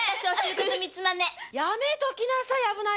やめときなさい！